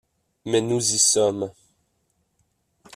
Mais nous y sommes.